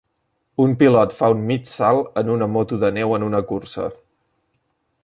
Un pilot fa un mig salt en una moto de neu en una cursa